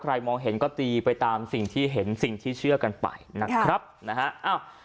มองเห็นก็ตีไปตามสิ่งที่เห็นสิ่งที่เชื่อกันไปนะครับนะฮะอ้าว